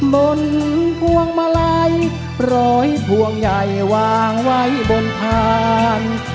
พวงมาลัยร้อยพวงใหญ่วางไว้บนพาน